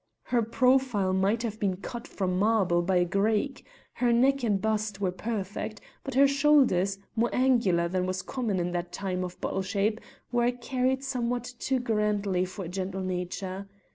Her profile might have been cut from marble by a Greek; her neck and bust were perfect, but her shoulders, more angular than was common in that time of bottle shape, were carried somewhat too grandly for a gentle nature.